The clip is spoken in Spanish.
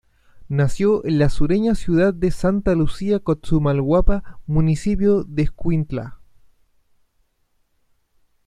Nació en la sureña ciudad de Santa Lucía Cotzumalguapa, municipio de Escuintla.